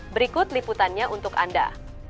berikut liputannya untuk anda